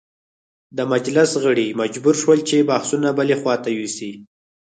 د مجلس غړي مجبور شول چې بحثونه بلې خواته یوسي.